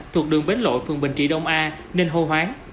thuộc đường bến lội phường bình trị đông a nên hô hoáng